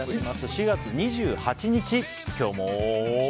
４月２８日、今日も。